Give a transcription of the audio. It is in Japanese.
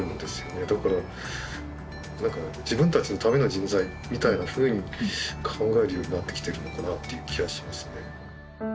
だから何か自分たちのための人材みたいなふうに考えるようになってきてるのかなっていう気はしますね。